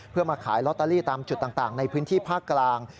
เพื่อมาขายลอตเตอรี่ตามจุดต่างในพื้นที่ภาคกลาง